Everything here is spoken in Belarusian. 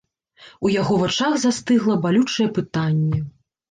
У яго вачах застыгла балючае пытанне.